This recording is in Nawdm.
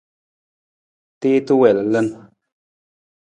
Tuwiita wii lalan.